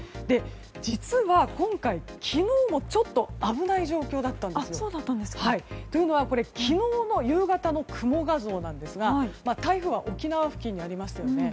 実は今回、昨日もちょっと危ない状況だったんですよ。というのは昨日の夕方の雲画像なんですが台風は沖縄付近にありましたよね。